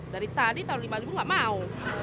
dari tadi tau lima ribu gak mau